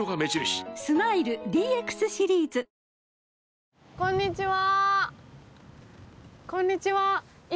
スマイル ＤＸ シリーズ！こんにちは。